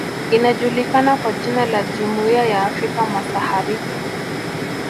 Inajulikana kwa jina la Jumuiya ya Afrika masahariki